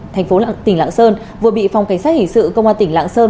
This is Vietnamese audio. thành phố lạng tỉnh lạng sơn vừa bị phòng cảnh sát hình sự công an tỉnh lạng sơn